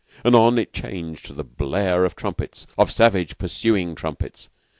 Anon it changed to the blare of trumpets of savage pursuing trumpets.